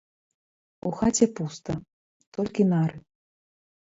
У хаце пуста, толькі нары.